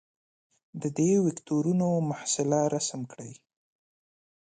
د دې وکتورونو محصله رسم کړئ.